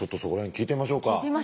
聞いてみましょうか。